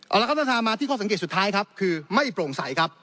เอาละครับท่านประธานมาที่ข้อสังเกตสุดท้ายครับคือไม่โปร่งใสครับ